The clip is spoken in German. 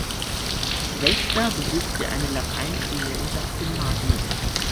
Wächter besuchte eine Lateinschule und das Gymnasium.